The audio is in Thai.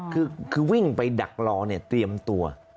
คือวิ่งไปดักรอเนี่ยเตรียมตัว